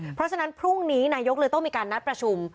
เพราะฉะนั้นพรุ่งนี้นายกเลยต้องมีการนัดประชุม